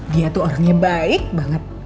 dia tuh orangnya baik banget